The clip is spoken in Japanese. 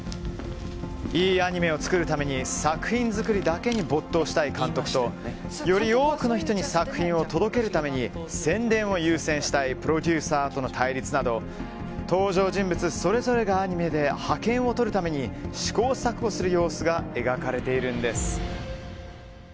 いいアニメを作るために作品作りだけに没頭したい監督とより多くの人に作品を届けるために宣伝を優先したいプロデューサーとの対立など登場人物それぞれがアニメで覇権をとるために試行錯誤する様子が描かれているんです。